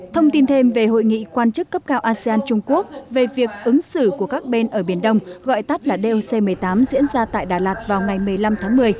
thông tin thêm về hội nghị quan chức cấp cao asean trung quốc về việc ứng xử của các bên ở biển đông gọi tắt là doc một mươi tám diễn ra tại đà lạt vào ngày một mươi năm tháng một mươi